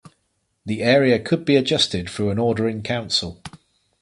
The area could be adjusted through an Order in Council.